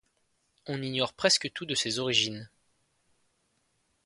On ignore presque tout de ses origines.